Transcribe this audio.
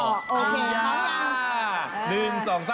โอเคนั่ง